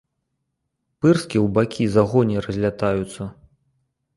Пырскі ў бакі за гоні разлятаюцца.